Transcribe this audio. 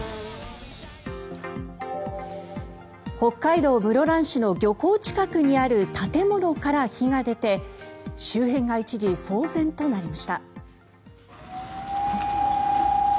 北海道室蘭市の漁港近くにある建物から火が出て周辺が一時、騒然となりました。